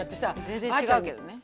全然違うけどね。